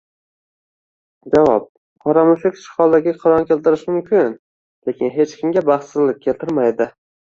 Javob: Qora mushuk sichqonlarga qiron keltirishi mumkin, lekin hech kimga baxtsizlik keltirmaydi.